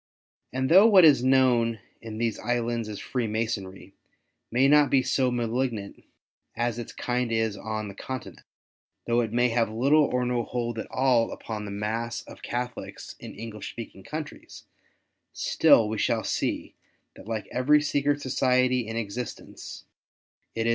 And though what is known in these Islands as Freemasonry may not be so malignant as its kind is on the Continent — though it may have little or no hold at all upon the mass of Catholics in English speaking countries, still we shall see that like every secret society in existence it is 4 WAR OF ANTICHRIST WITH THE CHURCH.